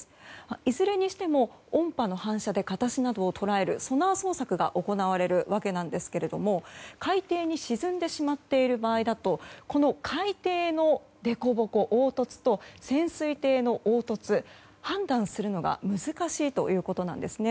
いずれにしても音波の反射で形などを捉えるソナー捜索が行われるわけなんですけれども海底に沈んでしまっている場合だと海底の凹凸と潜水艇の凹凸を判断するのが難しいということなんですね。